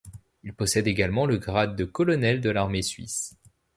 Il possède également le grade de colonel de l'armée suisse.